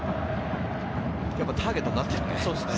やっぱりターゲットになっているね。